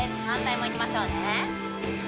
反対もいきましょうね